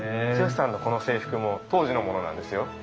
この制服も当時のものなんですよ。